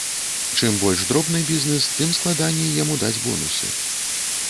Чым больш дробны бізнэс, тым складаней яму даць бонусы.